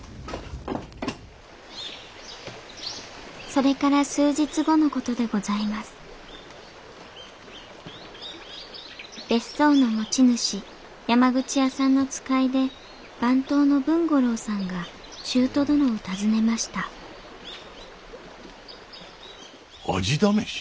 それから数日後の事でございます別荘の持ち主山口屋さんの使いで番頭の文五郎さんが舅殿を訪ねました味試し？